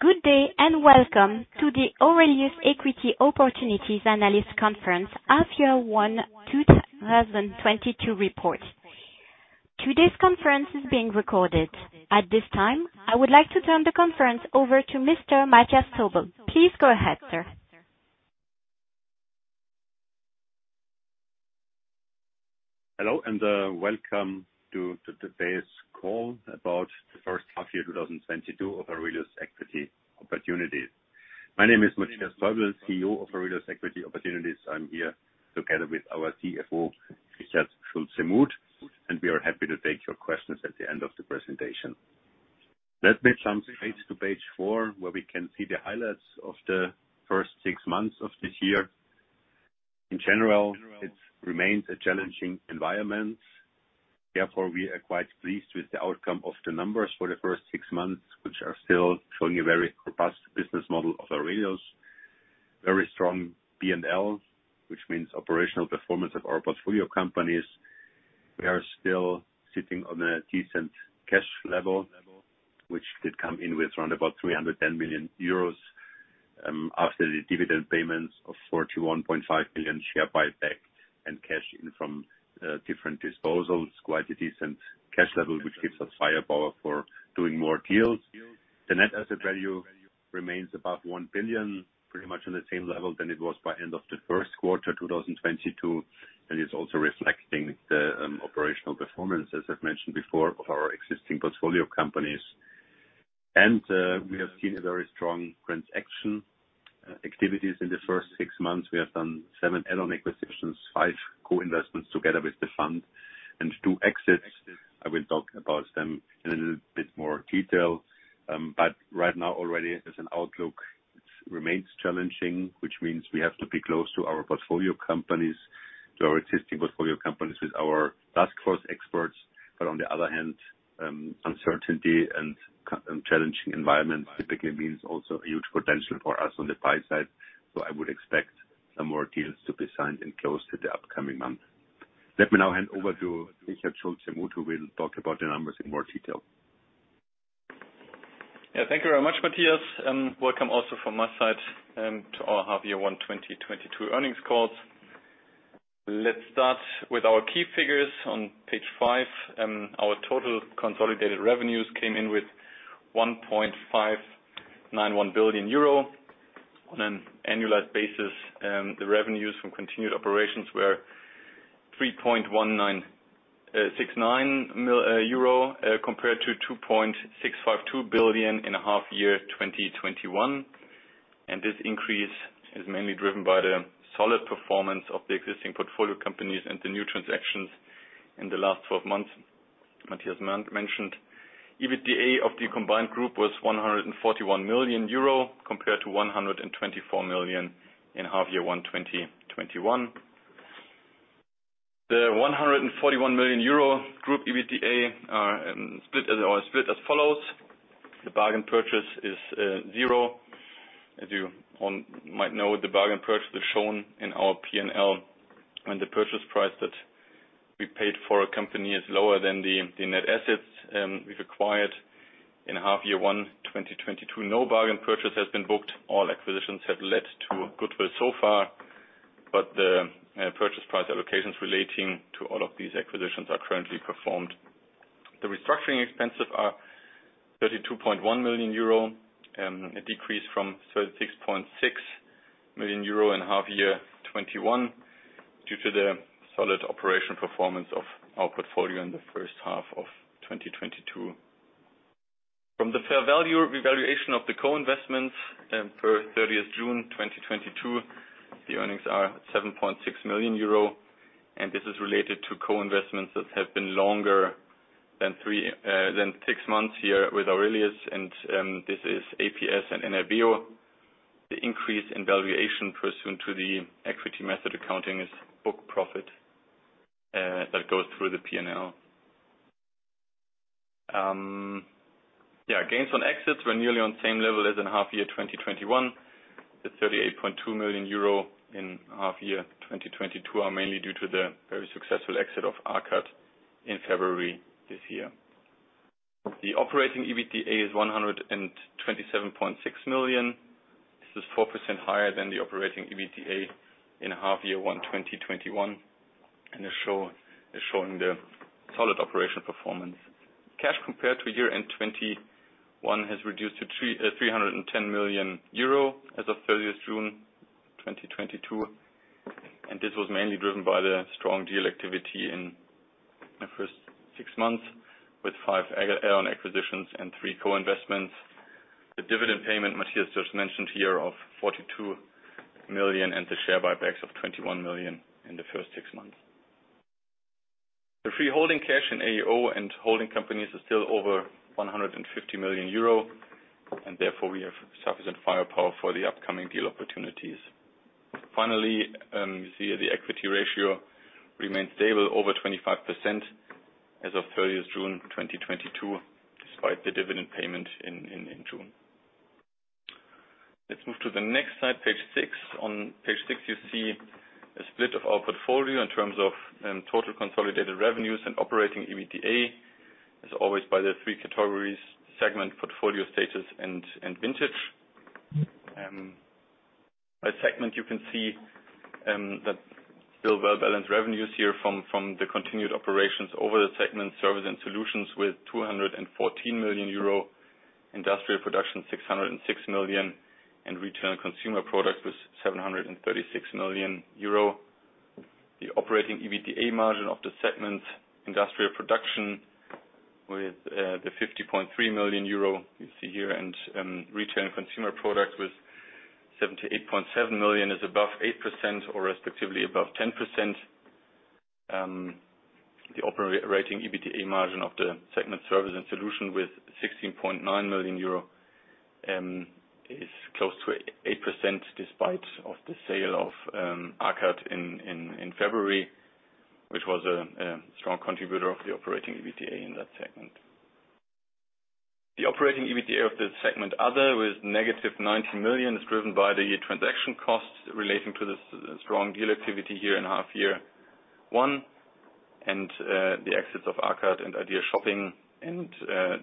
Good day and welcome to the AURELIUS Equity Opportunities Analyst Conference, H1 2022 report. Today's conference is being recorded. At this time, I would like to turn the conference over to Mr. Matthias Täubl. Please go ahead, sir. Hello and welcome to today's call about the first half year, 2022, of AURELIUS Equity Opportunities. My name is Matthias Täubl, CEO of AURELIUS Equity Opportunities. I'm here together with our CFO, Richard Schulze-Muth, and we are happy to take your questions at the end of the presentation. Let me jump straight to page four, where we can see the highlights of the first six months of this year. In general, it remains a challenging environment. Therefore, we are quite pleased with the outcome of the numbers for the first six months, which are still showing a very robust business model of AURELIUS. Very strong P&L, which means operational performance of our portfolio companies. We are still sitting on a decent cash level, which did come in with around 310 million euros after the dividend payments and share buyback of 41.5 million and cash in from different disposals. Quite a decent cash level which gives us firepower for doing more deals. The net asset value remains above 1 billion, pretty much on the same level as it was by end of the first quarter 2022, and it's also reflecting the operational performance, as I've mentioned before, of our existing portfolio companies. We have seen a very strong transaction activities in the first six months. We have done seven add-on acquisitions, five co-investments together with the fund, and two exits. I will talk about them in a little bit more detail. Right now already as an outlook, it remains challenging, which means we have to be close to our portfolio companies, to our existing portfolio companies with our task force experts. On the other hand, uncertainty and challenging environment typically means also a huge potential for us on the buy side. I would expect some more deals to be signed and closed in the upcoming months. Let me now hand over to Richard Schulze-Muth, who will talk about the numbers in more detail. Yeah. Thank you very much, Matthias. Welcome also from my side to our H1 2022 earnings call. Let's start with our key figures on page five. Our total consolidated revenues came in with 1.591 billion euro. On an annualized basis, the revenues from continued operations were 3.1969 billion euro compared to 2.652 billion in H1 2021. This increase is mainly driven by the solid performance of the existing portfolio companies and the new transactions in the last twelve months Matthias mentioned. EBITDA of the combined group was 141 million euro compared to 124 million in H1 2021. The 141 million euro group EBITDA are split as follows. The bargain purchase is zero. As you all might know, the bargain purchase is shown in our P&L when the purchase price that we paid for a company is lower than the net assets we've acquired. In half year one, 2022, no bargain purchase has been booked. All acquisitions have led to goodwill so far, but the purchase price allocations relating to all of these acquisitions are currently performed. The restructuring expenses are 32.1 million euro, a decrease from 36.6 million euro in half year 2021 due to the solid operational performance of our portfolio in the first half of 2022. From the fair value revaluation of the co-investments, for 30 June 2022, the earnings are 7.6 million euro, and this is related to co-investments that have been longer than six months here with AURELIUS, and this is APS and NDS. The increase in valuation pursuant to the equity method accounting is book profit, that goes through the P&L. Yeah, gains on exits were nearly on the same level as in half year 2021. The 38.2 million euro in half year 2022 are mainly due to the very successful exit of AKAD in February this year. The operating EBITDA is 127.6 million. This is 4% higher than the operating EBITDA in half year 2021, and is showing the solid operational performance. Cash compared to year-end 2021 has reduced to 310 million euro as of 30th June 2022, and this was mainly driven by the strong deal activity in the first six months with 5 add-on acquisitions and 3 co-investments. The dividend payment Matthias just mentioned here of 42 million and the share buybacks of 21 million in the first six months. The free holding cash in AEO and holding companies is still over 150 million euro and therefore we have sufficient firepower for the upcoming deal opportunities. Finally, you see the equity ratio remains stable over 25% as of 30th June 2022, despite the dividend payment. Let's move to the next slide, page six. On page six, you see a split of our portfolio in terms of total consolidated revenues and operating EBITDA. As always, by the three categories, segment, portfolio status, and vintage. By segment, you can see that still well-balanced revenues here from the continued operations over the segment service and solutions with 214 million euro, industrial production 606 million, and retail consumer product with 736 million euro. The operating EBITDA margin of the segment industrial production with the 50.3 million euro you see here and retail consumer product with 78.7 million is above 8% or respectively above 10%. The operating EBITDA margin of the segment service and solution with 16.9 million euro is close to 8% despite of the sale of AKAD in February, which was a strong contributor of the operating EBITDA in that segment. The operating EBITDA of the segment other with negative 90 million is driven by the transaction costs relating to the strong deal activity here in half year one and the exits of AKAD and Ideal Shopping and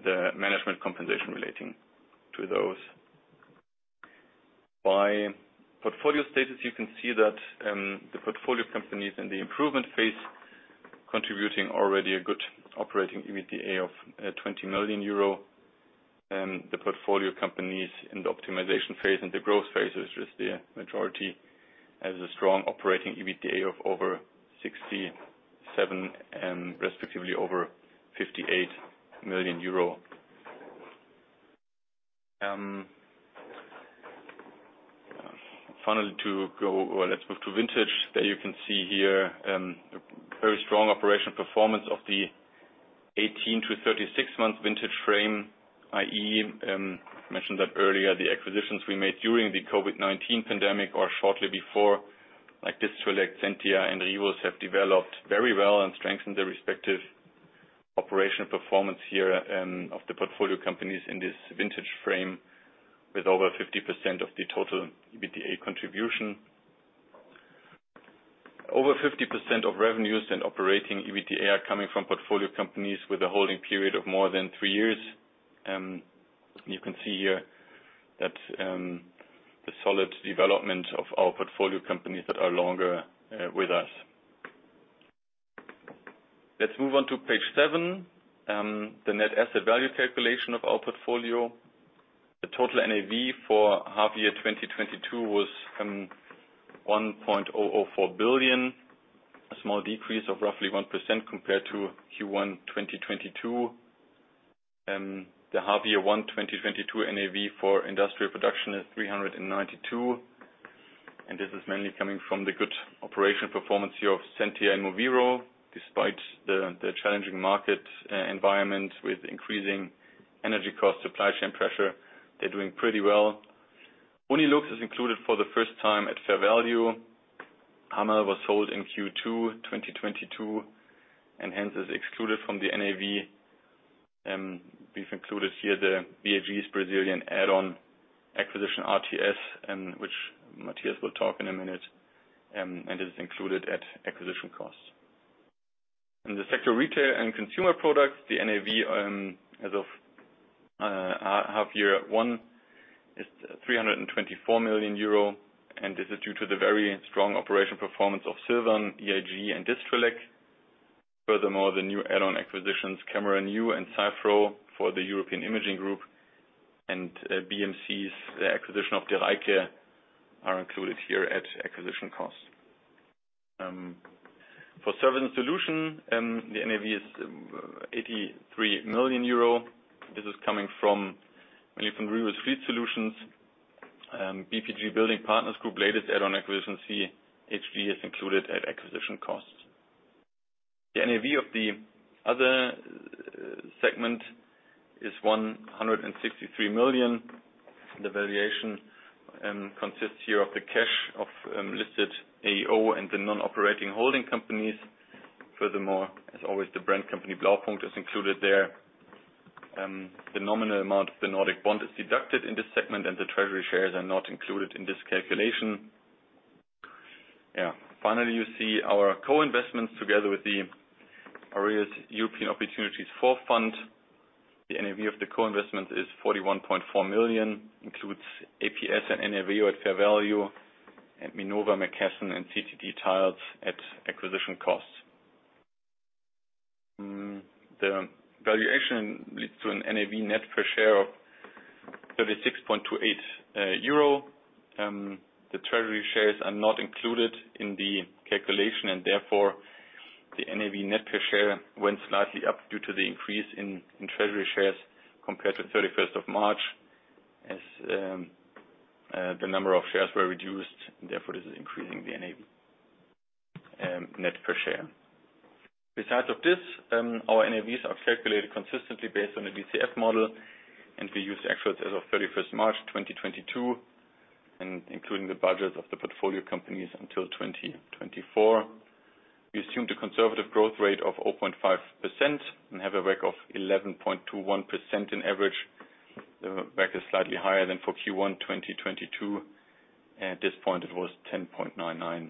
the management compensation relating to those. By portfolio status, you can see that the portfolio companies in the improvement phase contributing already a good operating EBITDA of 20 million euro and the portfolio companies in the optimization phase and the growth phase is just the majority as a strong operating EBITDA of over 67 and respectively over 58 million euro. Finally, let's move to vintage. There you can see here, a very strong operational performance of the 18-36 month vintage frame, i.e., mentioned that earlier, the acquisitions we made during the COVID-19 pandemic or shortly before, like Distrelec, Zentia, and REWE have developed very well and strengthened the respective operational performance here, of the portfolio companies in this vintage frame with over 50% of the total EBITDA contribution. Over 50% of revenues and operating EBITDA are coming from portfolio companies with a holding period of more than three years. You can see here that, the solid development of our portfolio companies that are longer, with us. Let's move on to page 7, the net asset value calculation of our portfolio. The total NAV for half year 2022 was 1.04 billion, a small decrease of roughly 1% compared to Q1 2022. The half year 1 2022 NAV for industrial production is 392 million, and this is mainly coming from the good operational performance here of Zentia and Moveero. Despite the challenging market environment with increasing energy costs, supply chain pressure, they're doing pretty well. Unilux is included for the first time at fair value. Hämmerl was sold in Q2 2022 and hence is excluded from the NAV. We've included here the VAG Brazilian add-on acquisition RTS, which Matthias will talk in a minute, and it is included at acquisition costs. In the sector retail and consumer products, the NAV as of half year one is 324 million euro, and this is due to the very strong operational performance of Silvan, EIG, and Distrelec. Furthermore, the new add-on acquisitions, CameraNU.nl and Cyfrowe.pl for the European Imaging Group and BMC's acquisition of De Rijke are included here at acquisition costs. For service and solution, the NAV is 83 million euro. This is coming mainly from Rivus Fleet Solutions. BPG Building & Partners Group, latest add-on acquisition CGE is included at acquisition costs. The NAV of the other segment is 163 million. The valuation consists here of the cash of listed AEO and the non-operating holding companies. Furthermore, as always, the brand company Blaupunkt is included there. The nominal amount of the Nordic bond is deducted in this segment, and the treasury shares are not included in this calculation. Finally, you see our co-investments together with the AURELIUS European Opportunities IV fund. The NAV of the co-investment is 41.4 million, includes APS and NVO at fair value and Minova, McKesson, and CTD Tiles at acquisition costs. The valuation leads to an NAV net per share of 36.28 euro. The treasury shares are not included in the calculation, and therefore, the NAV net per share went slightly up due to the increase in treasury shares compared to March 31st as the number of shares were reduced, and therefore, this is increasing the NAV net per share. Besides this, our NAVs are calculated consistently based on a DCF model, and we use actuals as of 31 March 2022 and including the budget of the portfolio companies until 2024. We assumed a conservative growth rate of 0.5% and have a WACC of 11.21% on average. The WACC is slightly higher than for Q1 2022. At this point, it was 10.99%. I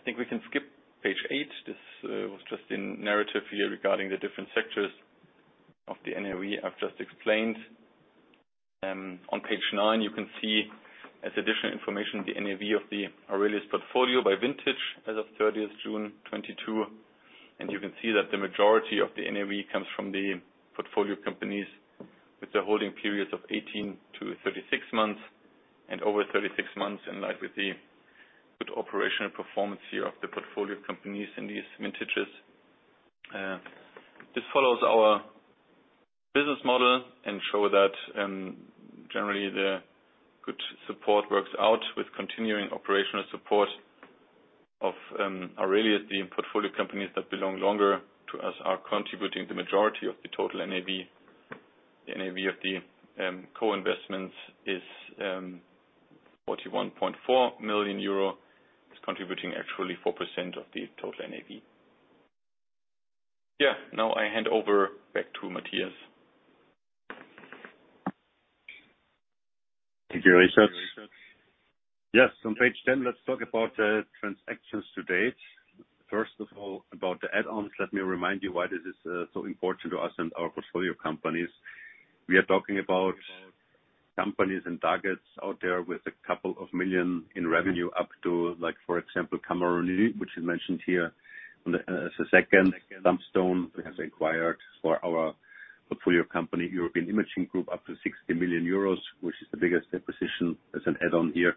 think we can skip page eight. This was just in narrative here regarding the different sectors of the NAV I've just explained. On page nine, you can see as additional information the NAV of the AURELIUS portfolio by vintage as of 30 June 2022. You can see that the majority of the NAV comes from the portfolio companies with the holding periods of 18 to 36 months and over 36 months in line with the good operational performance here of the portfolio companies in these vintages. This follows our business model and show that generally the good support works out with continuing operational support of AURELIUS. The portfolio companies that belong longer to us are contributing the majority of the total NAV. The NAV of the co-investments is 41.4 million euro. It's contributing actually 4% of the total NAV. Now I hand over back to Matthias. Thank you, Richard. Yes, on page ten, let's talk about transactions to date. First of all, about the add-ons, let me remind you why this is so important to us and our portfolio companies. We are talking about companies and targets out there with a couple of million in revenue up to, like for example, CameraNU.nl, which is mentioned here on the as a second tombstone we have acquired for our portfolio company. European Imaging Group, up to 60 million euros, which is the biggest acquisition as an add-on here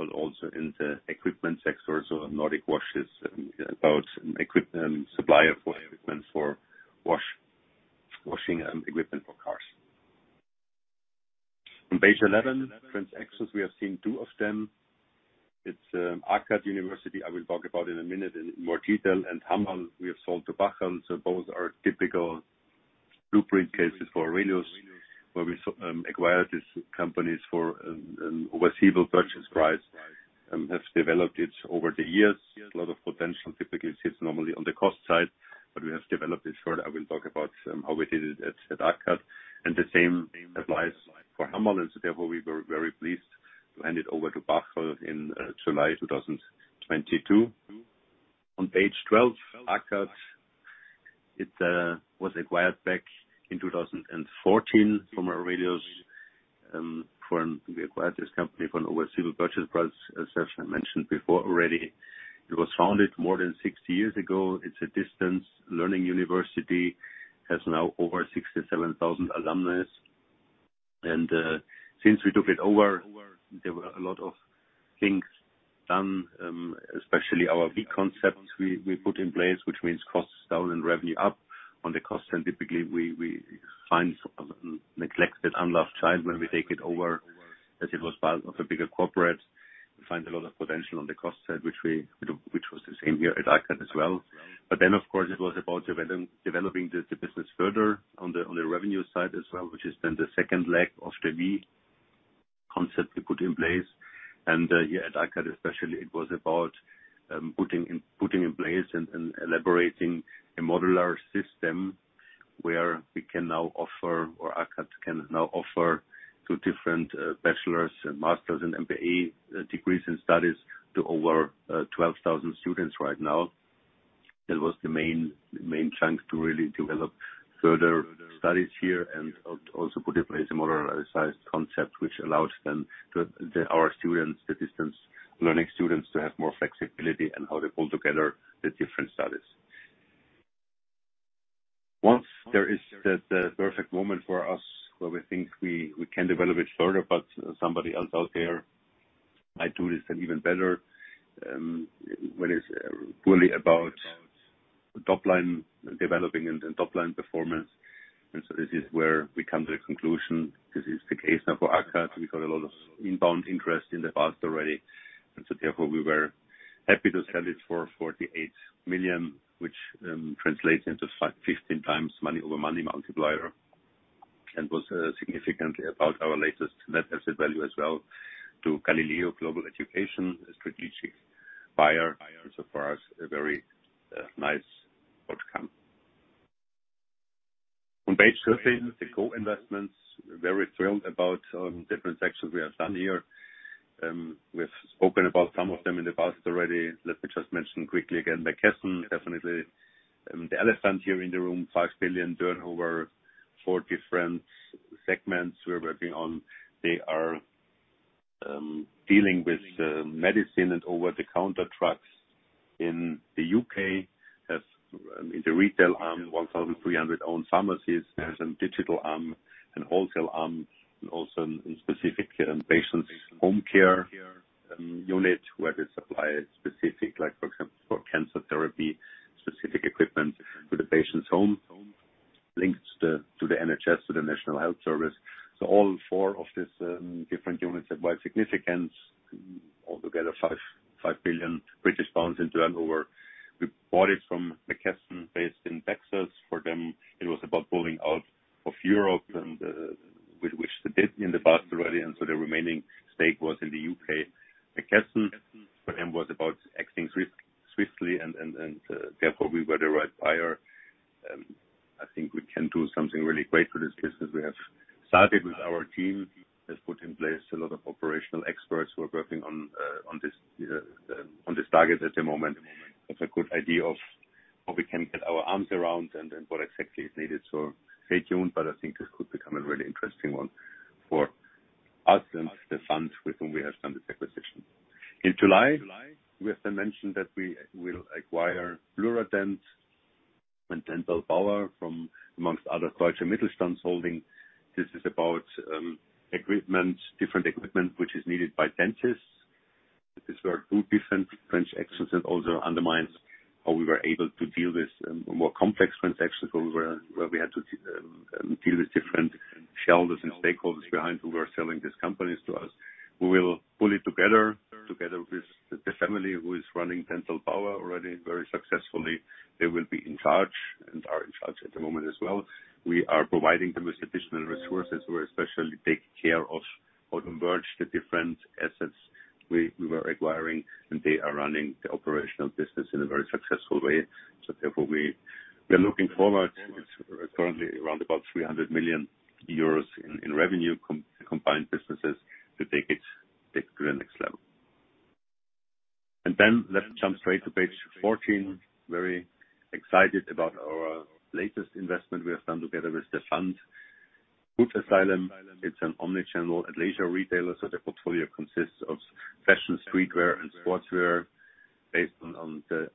but also in the equipment sector. Nordic Wash is about supplier for equipment for washing equipment for cars. On page 11, transactions, we have seen two of them. It's AKAD University, I will talk about in a minute in more detail, and Hammerl, we have sold to Bächl. Both are typical blueprint cases for AURELIUS, where we acquired these companies for bargain purchase price and have developed it over the years. A lot of potential typically sits normally on the cost side, but we have developed it further. I will talk about how we did it at AKAD, and the same applies for Hammerl. Therefore, we were very pleased to hand it over to Bächl in July 2022. On page 12, AKAD, it was acquired back in 2014 from AURELIUS. We acquired this company for bargain purchase price, as Richard mentioned before already. It was founded more than 60 years ago. It's a distance learning university, has now over 67,000 alumni. Since we took it over, there were a lot of things done, especially our V concepts we put in place, which means costs down and revenue up. On the cost end, typically we find some neglected unloved child when we take it over, as it was part of a bigger corporate. We find a lot of potential on the cost side, which we do, which was the same here at AKAD as well. Of course, it was about developing the business further on the revenue side as well, which is then the second leg of the V concept we put in place. Here at AKAD especially, it was about putting in place and elaborating a modular system where we can now offer, or AKAD can now offer two different bachelor's and master's and MBA degrees and studies to over 12,000 students right now. That was the main chunk to really develop further studies here and also put in place a modularized concept which allows them to, our students, the distance learning students, to have more flexibility in how they pull together the different studies. Once there is the perfect moment for us where we think we can develop it further, but somebody else out there who can do this then even better, when it's really about top line developing and top line performance. This is where we come to the conclusion. This is the case now for AKAD. We got a lot of inbound interest in the past already, and so therefore we were happy to sell it for 48 million, which translates into 15 times money over money multiplier and was significantly above our latest net asset value as well to Galileo Global Education, a strategic buyer. For us, a very nice outcome. On page 13, the co-investments, very thrilled about different sections we have done here. We've spoken about some of them in the past already. Let me just mention quickly again, McKesson, definitely the elephant here in the room, 5 billion turnover, 4 different segments we're working on. They are dealing with medicine and over-the-counter drugs in the UK. Has in the retail arm, 1,300 owned pharmacies. There's a digital arm, and wholesale arm, and also in specific care and patient's home care unit, where they supply specific, like, for example, for cancer therapy, specific equipment to the patient's home. Links to the NHS, to the National Health Service. All four of these different units have wide significance. Altogether, 5 billion British pounds in turnover. We bought it from McKesson, based in Texas. For them, it was about pulling out of Europe and which they did in the past already, and the remaining stake was in the UK. McKesson for them was about exiting swiftly and therefore we were the right buyer. I think we can do something really great for this business. We have started with our team, has put in place a lot of operational experts who are working on this target at the moment. That's a good idea of what we can get our arms around and what exactly is needed. Stay tuned, but I think this could become a really interesting one for us and the fund with whom we have done this acquisition. In July, we have mentioned that we will acquire Dürr Dental and Dental Bauer from amongst other holdings. This is about equipment, different equipment, which is needed by dentists. These were two different French exits, and also underlines how we were able to deal with more complex transactions where we had to deal with different shareholders and stakeholders behind who were selling these companies to us. We will pull it together with the family who is running Dental Bauer already very successfully. They will be in charge and are in charge at the moment as well. We are providing them with additional resources. We especially take care of how to merge the different assets we were acquiring, and they are running the operational business in a very successful way. Therefore we are looking forward. It's currently around about 300 million euros in revenue combined businesses to take it to the next level. Let's jump straight to page 14. Very excited about our latest investment we have done together with the fund. Footasylum, it's an omni-channel leisure retailer, so the portfolio consists of fashion streetwear and sportswear based on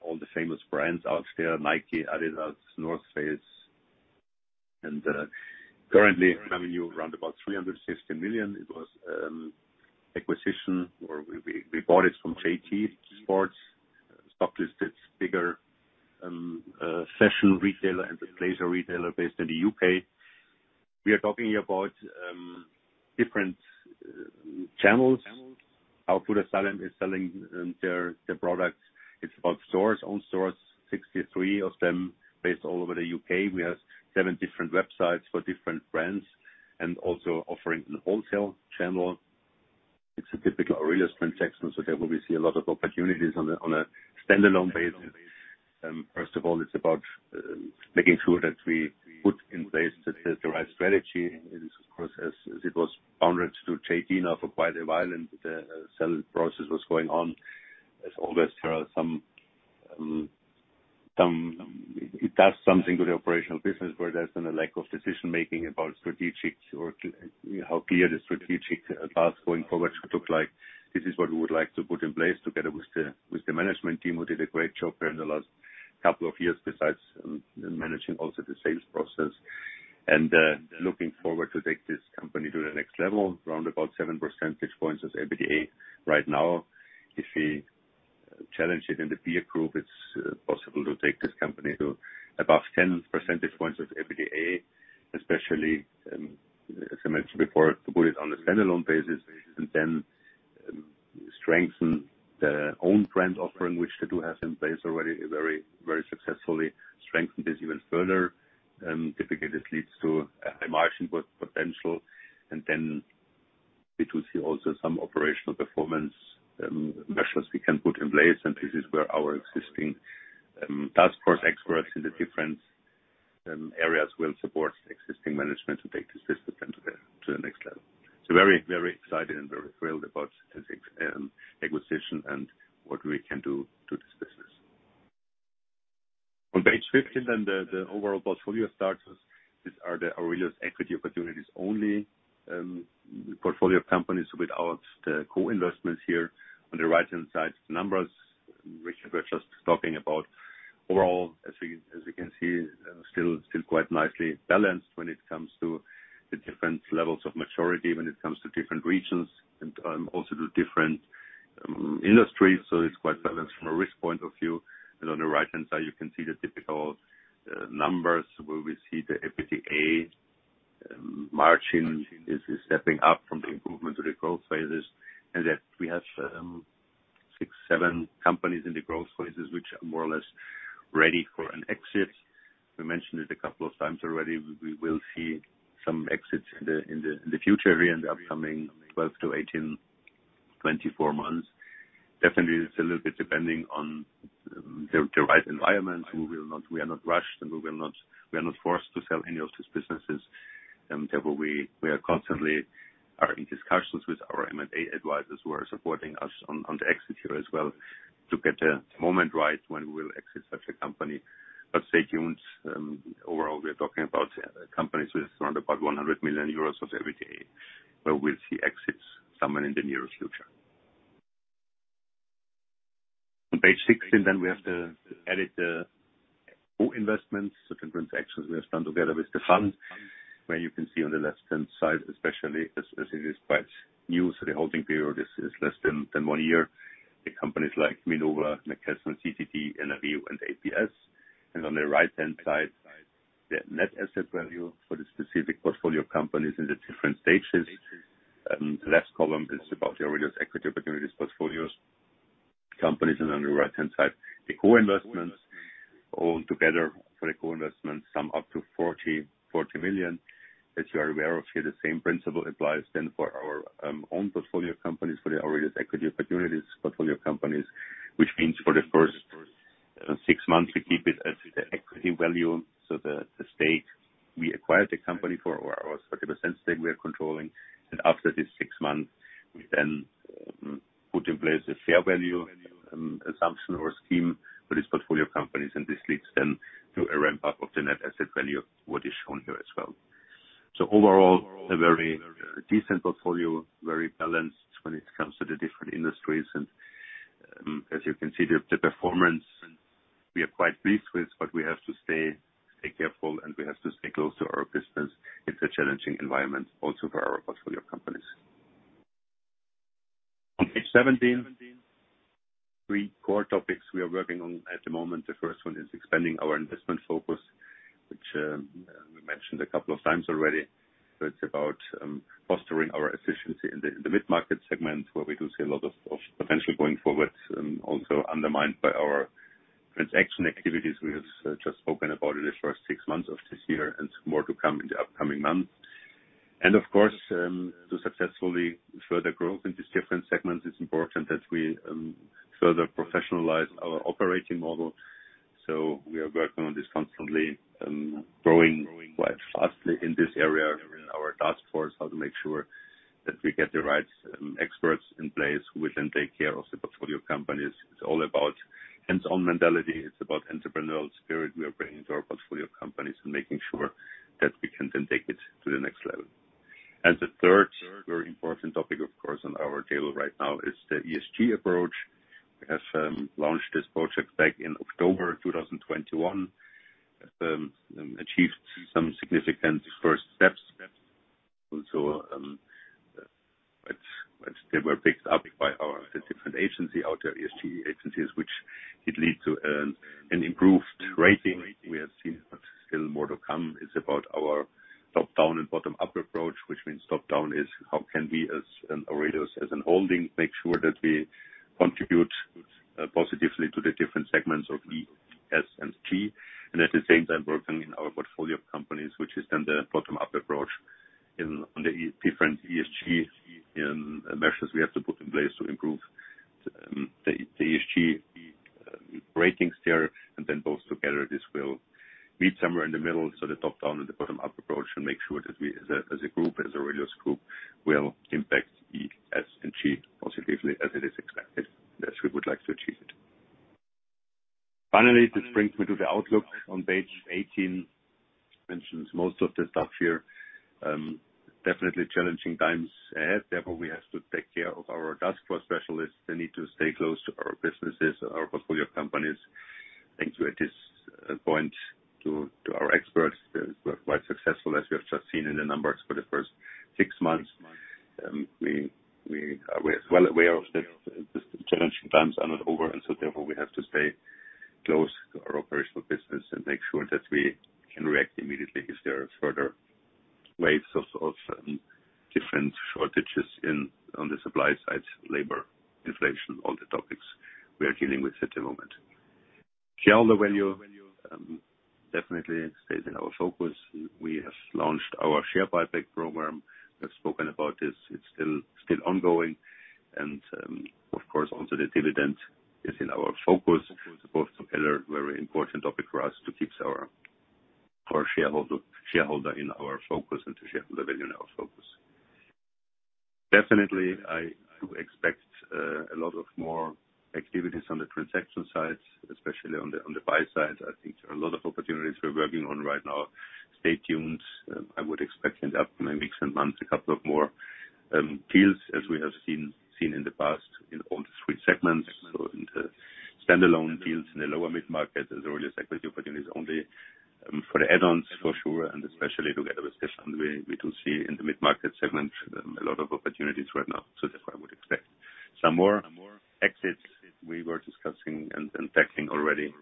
all the famous brands out there, Nike, Adidas, The North Face. Currently having around 360 million, it was acquisition where we bought it from JD Sports, stock listed, bigger fashion retailer and a leisure retailer based in the UK. We are talking about different channels. How Footasylum is selling their products. It's about stores, own stores, 63 of them based all over the UK. We have seven different websites for different brands and also offering a wholesale channel. It's a typical AURELIUS transaction, so therefore we see a lot of opportunities on a standalone basis. First of all, it's about making sure that we put in place the right strategy. It is of course, as it was owned by JD for quite a while, and the selling process was going on. As always, there are some. It does something to the operational business where there's been a lack of decision-making about strategic or how clear the strategic path going forward should look like. This is what we would like to put in place together with the management team who did a great job here in the last couple of years, besides managing also the sales process. Looking forward to take this company to the next level, around about seven percentage points as EBITDA right now. If we challenge it and the peer group, it's possible to take this company to above 10% points of EBITDA, especially as I mentioned before, to put it on a standalone basis and then strengthen their own brand offering, which they do have in place already, very, very successfully. Strengthen this even further, typically this leads to a high margin growth potential. We do see also some operational performance measures we can put in place. This is where our existing task force experts in the different areas will support existing management to take this business then to the next level. Very, very excited and very thrilled about this acquisition and what we can do to this business. On page 15, the overall portfolio status. These are the AURELIUS Equity Opportunities only portfolio companies without the co-investments here. On the right-hand side, the numbers, which we're just talking about. Overall, as we can see, still quite nicely balanced when it comes to the different levels of maturity, when it comes to different regions and also to different industries. It's quite balanced from a risk point of view. On the right-hand side, you can see the typical numbers where we see the EBITDA margin is stepping up from the improvement to the growth phases, and that we have six, seven companies in the growth phases which are more or less ready for an exit. We mentioned it a couple of times already. We will see some exits in the future here in the upcoming 12-18, 24 months. Definitely it's a little bit depending on the right environment. We are not rushed, and we are not forced to sell any of these businesses. Therefore, we are constantly in discussions with our M&A advisors who are supporting us on the exit here as well to get the moment right when we will exit such a company. Stay tuned. Overall, we are talking about companies with around about 100 million euros of EBITDA, where we'll see exits somewhere in the near future. On page 16, we have the add-on co-investments. Different transactions we have done together with the fund, where you can see on the left-hand side especially as it is quite new, so the holding period is less than one year. The companies like Minova, McKesson, CTD, NDS, and APS. On the right-hand side, the net asset value for the specific portfolio companies in the different stages. The last column is about the AURELIUS Equity Opportunities portfolio companies. On the right-hand side, the co-investments altogether sum up to 40 million. As you are aware of, here the same principle applies then for our own portfolio companies for the AURELIUS Equity Opportunities portfolio companies, which means for the first six months we keep it as the equity value. The stake we acquired the company for or a particular stake we are controlling. After this six months, we then put in place a fair value assumption or scheme for this portfolio of companies, and this leads then to a ramp up of the net asset value, what is shown here as well. Overall, a very decent portfolio, very balanced when it comes to the different industries. As you can see, the performance we are quite pleased with, but we have to stay careful, and we have to stay close to our business. It's a challenging environment also for our portfolio companies. On page 17, three core topics we are working on at the moment. The first one is expanding our investment focus, which, we mentioned a couple of times already. It's about fostering our efficiency in the mid-market segment where we do see a lot of potential going forward, also undermined by our transaction activities. We have just spoken about it the first six months of this year and more to come in the upcoming months. Of course, to successfully further growth in these different segments, it's important that we further professionalize our operating model. We are working on this constantly, growing quite fast in this area in our task force, how to make sure that we get the right experts in place who will then take care of the portfolio companies. It's all about hands-on mentality. It's about entrepreneurial spirit we are bringing to our portfolio companies and making sure that we can then take it to the next level. The third very important topic, of course, on our table right now is the ESG approach. We have launched this project back in October 2021. Achieved some significant first steps also, which were picked up by the different agencies out there, ESG agencies, which leads to an improved rating we have seen, but still more to come. It's about our definitely stays in our focus. We have launched our share buyback program. We've spoken about this. It's still ongoing. Of course, also the dividend is in our focus. Both together, very important topic for us to keep our shareholder in our focus and to shareholder value in our focus. Definitely, I do expect a lot of more activities on the transaction side, especially on the buy side. I think there are a lot of opportunities we're working on right now. Stay tuned. I would expect in the upcoming weeks and months a couple of more deals as we have seen in the past in all the three segments. In the standalone deals in the lower mid-market, there's always equity opportunities only for the add-ons for sure. Especially together with Stefan, we do see in the mid-market segment a lot of opportunities right now. That's what I would expect. Some more exits we were discussing and tackling already,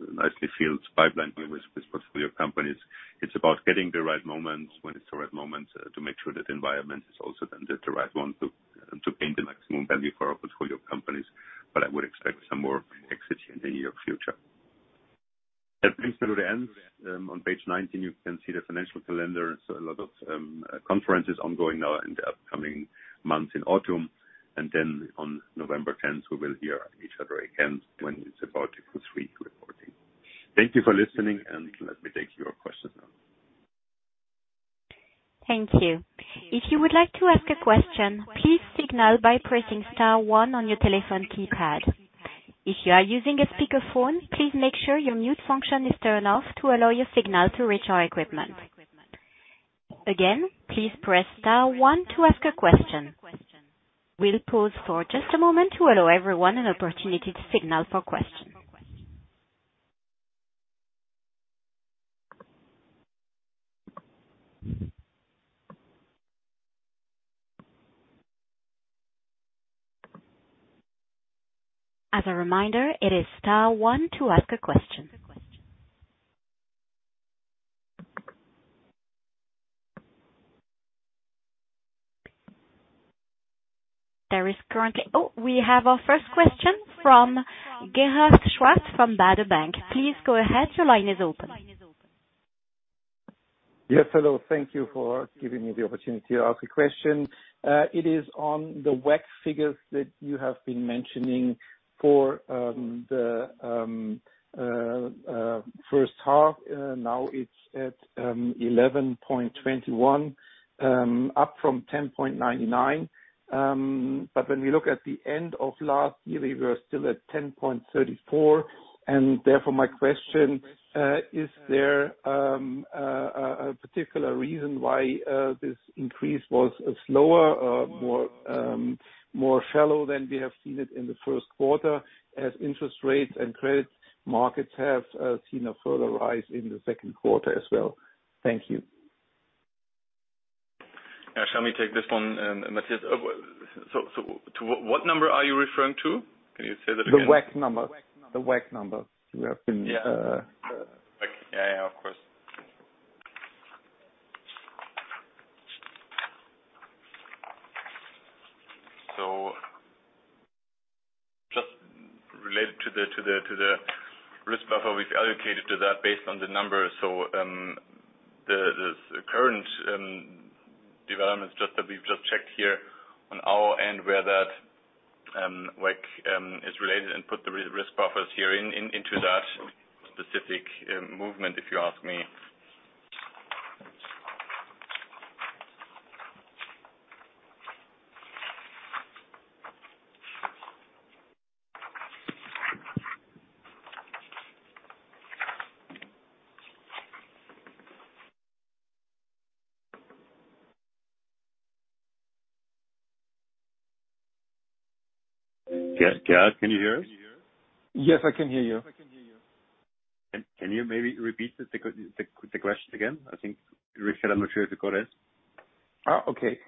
nicely filled pipeline with portfolio companies. It's about getting the right moments when it's the right moment to make sure that environment is also then the right one to gain the maximum value for our portfolio companies. I would expect some more exits in the near future. That brings me to the end. On page 19 you can see the financial calendar. A lot of conferences ongoing now in the upcoming months in autumn. Then on November tenth, we will hear each other again when it's about Q3 reporting. Thank you for listening, and let me take your questions now. Thank you. If you would like to ask a question, please signal by pressing star one on your telephone keypad. If you are using a speakerphone, please make sure your mute function is turned off to allow your signal to reach our equipment. Again, please press star one to ask a question. We'll pause for just a moment to allow everyone an opportunity to signal for questions. As a reminder, it is star one to ask a question. We have our first question from Gerhard Schwarz from Baader Bank. Please go ahead. Your line is open. Yes, hello. Thank you for giving me the opportunity to ask a question. It is on the WACC figures that you have been mentioning for the first half. Now it's at 11.21%, up from 10.99%. But when we look at the end of last year, we were still at 10.34%, and therefore my question is there a particular reason why this increase was slower, more shallow than we have seen it in the first quarter as interest rates and credit markets have seen a further rise in the second quarter as well? Thank you. Yeah, shall we take this one, Matthias? To what number are you referring to? Can you say that again? The WACC number we have been Yeah, of course. Just related to the risk buffer we've allocated to that based on the numbers. The current developments just that we've just checked here on our end where that WACC is related and put the risk buffers here into that specific movement if you ask me. Gerhard, can you hear us? Yes, I can hear you. Can you maybe repeat the question again? I think, Richard, I'm not sure if the call is. Oh, okay.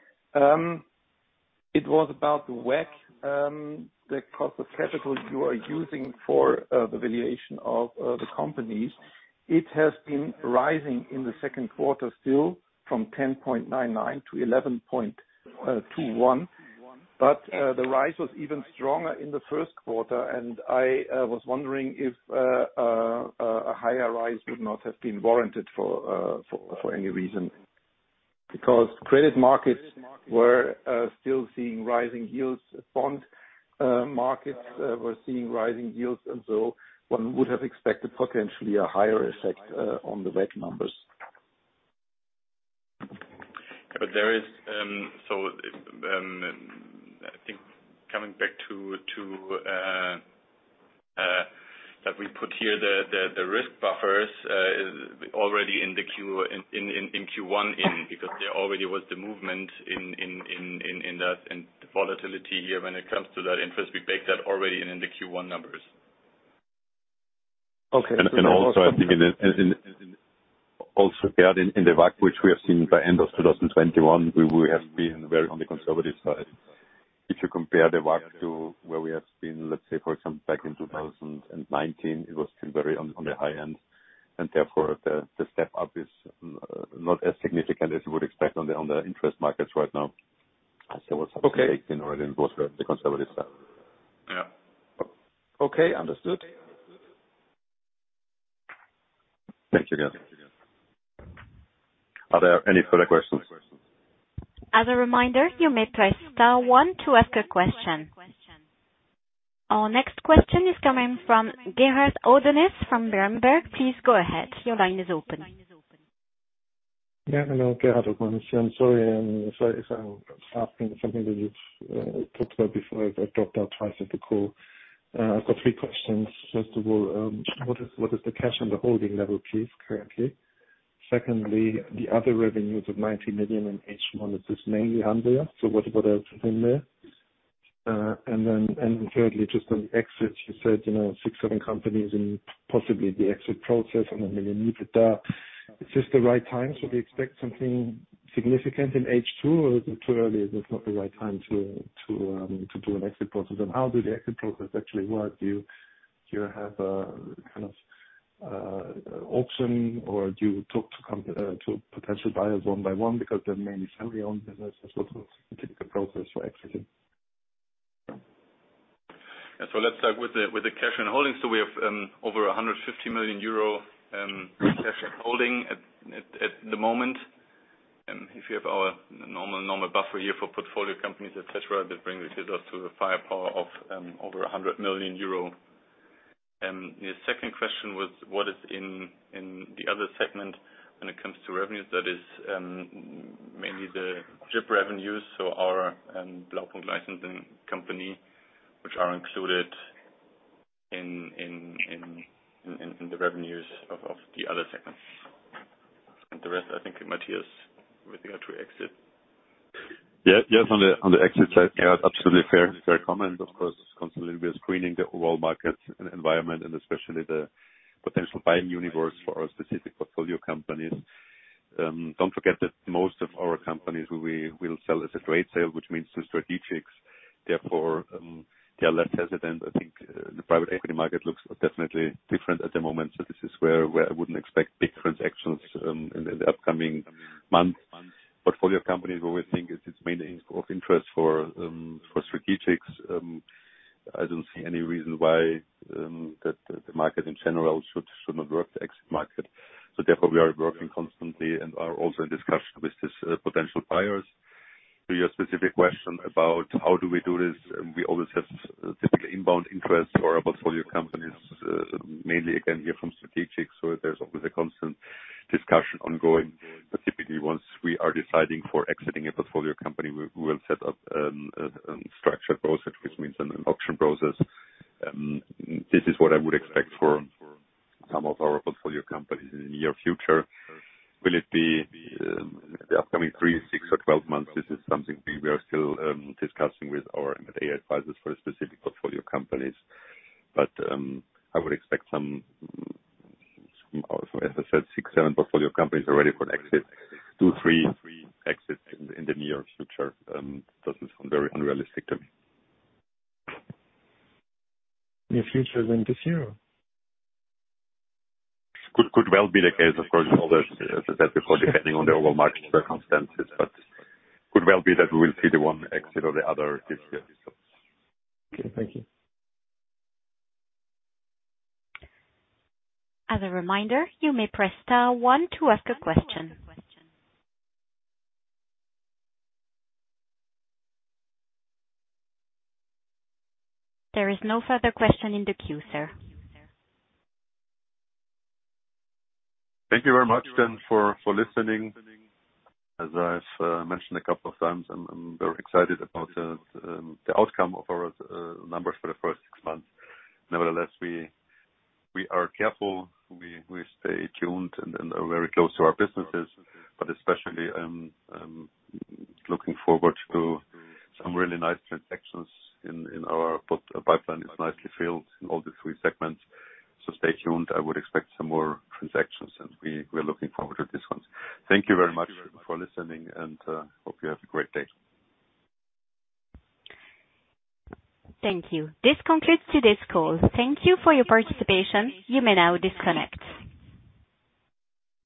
It was about the WACC, the cost of capital you are using for the valuation of the companies. It has been rising in the second quarter still from 10.99 to 11.21. The rise was even stronger in the first quarter, and I was wondering if a higher rise would not have been warranted for any reason. Because credit markets were still seeing rising yields. Bond markets were seeing rising yields, and so one would have expected potentially a higher effect on the WACC numbers. I think coming back to that, we put here the risk buffers already in Q1 because there already was the movement in that and the volatility here when it comes to that interest. We baked that already in the Q1 numbers. Okay. I think in also Gerhard in the WACC which we have seen by end of 2021, we have been very on the conservative side. If you compare the WACC to where we have been, let's say for example back in 2019, it was still very on the high end and therefore the step up is not as significant as you would expect on the interest markets right now. As I was Okay. Saying already on the conservative side. Yeah. Okay, understood. Thank you, Gerhard. Are there any further questions? As a reminder, you may press star one to ask a question. Our next question is coming from Gerhard Orgonas from Berenberg. Please go ahead. Your line is open. Hello, Gerhard Orgonas here. I'm sorry if I'm asking something that you've talked about before. I dropped out twice at the call. I've got three questions. First of all, what is the cash on the holding level please, currently? Secondly, the other revenues of 90 million in H1, is this mainly Blaupunkt? So what else is in there? Thirdly, just on the exit, you said, you know, six to seven companies in possibly the exit process and then you needed that. Is this the right time? Do you expect something significant in H2 or is it too early, is this not the right time to do an exit process? And how do the exit process actually work? Do you have a kind of auction or do you talk to potential buyers one by one because they're mainly family-owned businesses? What's the typical process for exiting? Let's start with the cash holdings. We have over 150 million euro cash holdings at the moment. If you have our normal buffer here for portfolio companies et cetera, that brings it up to a firepower of over 100 million euro. Your second question was what is in the other segment when it comes to revenues? That is mainly the IP revenues, so our Blaupunkt licensing company, which are included in the revenues of the other segments. The rest I think Matthias with regard to exit. Yeah. Yes, on the exit side, yeah, absolutely fair comment. Of course, constantly we are screening the overall market and environment and especially the potential buying universe for our specific portfolio companies. Don't forget that most of our companies we will sell as a trade sale, which means to strategics, therefore, they are less hesitant. I think the private equity market looks definitely different at the moment, so this is where I wouldn't expect big transactions in the upcoming months. Portfolio companies where we think is mainly of interest for strategics. I don't see any reason why that the market in general should not work the exit market. Therefore, we are working constantly and are also in discussion with these potential buyers. To your specific question about how do we do this, we always have typical inbound interest or portfolio companies, mainly again here from strategic. There's always a constant discussion ongoing. Typically once we are deciding for exiting a portfolio company, we will set up a structured process, which means an auction process. This is what I would expect for some of our portfolio companies in the near future. Will it be the upcoming three, six or 12 months? This is something we are still discussing with our M&A advisors for the specific portfolio companies. I would expect some, as I said, six, seven portfolio companies already for an exit, two, three exits in the near future. Doesn't sound very unrealistic to me. Near future, then this year? Could well be the case, of course, as I said before, depending on the overall market circumstances, but could well be that we will see the one exit or the other this year. Okay, thank you. As a reminder, you may press star one to ask a question. There is no further question in the queue, sir. Thank you very much then for listening. As I've mentioned a couple of times, I'm very excited about the outcome of our numbers for the first six months. Nevertheless, we are careful, we stay tuned and are very close to our businesses, but especially looking forward to some really nice transactions in our pipeline is nicely filled in all the three segments. Stay tuned. I would expect some more transactions, and we are looking forward to these ones. Thank you very much for listening and hope you have a great day. Thank you. This concludes today's call. Thank you for your participation. You may now disconnect.